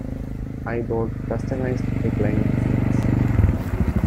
I bought customized reclining seats.